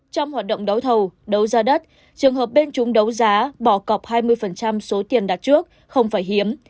trong hoạt động đấu thầu đấu giá đất trường hợp bên chúng đấu giá bỏ cọc hai mươi số tiền đặt trước không phải hiếm